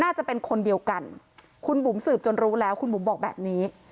น่าจะเป็นคนเดียวกันคุณบุ๋มสืบจนรู้แล้วคุณบุ๋มบอกแบบนี้